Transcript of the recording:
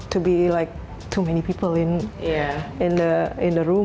terlalu banyak orang di ruang